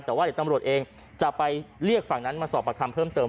แต่ว่าเดี๋ยวตำรวจเองจะไปเรียกฝั่งนั้นมาสอบประคำเพิ่มเติม